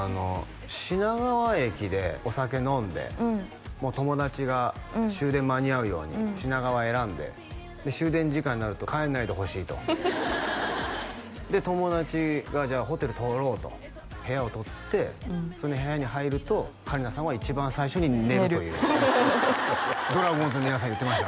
品川駅でお酒飲んでもう友達が終電間に合うように品川選んでで終電時間になると帰らないでほしいとで友達がじゃあホテル取ろうと部屋を取ってその部屋に入ると香里奈さんは一番最初に寝るというＤｒａｇｏｎｓの皆さん言ってました